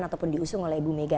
ataupun diusung oleh ibu mega